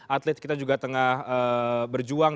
atlet kita juga tengah berjuang